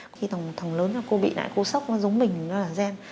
khi thằng lớn là cô bị lại cô sốc nó giống mình nó là gen